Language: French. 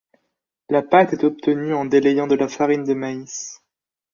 La pâte est obtenue en délayant de la farine de maïs.